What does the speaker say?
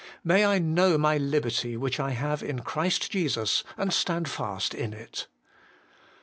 May I know my liberty which I have in Christ Jesus, and stand fast in it.